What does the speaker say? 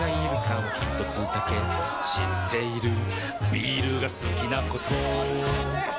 ひとつだけ知っているビールが好きなことうわっうまそうに飲むねぇ！